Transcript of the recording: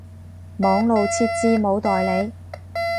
網路設置冇代理